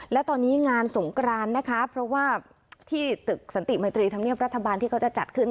และตอนนี้งานสงกรานนะคะเพราะว่าที่ตึกสันติมัยตรีธรรมเนียบรัฐบาลที่เขาจะจัดขึ้น